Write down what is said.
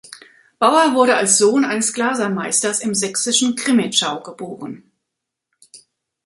Bauer wurde als Sohn eines Glasermeisters im sächsischen Crimmitschau geboren.